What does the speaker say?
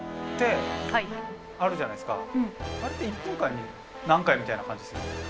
あれって１分間に何回みたいな感じですよね？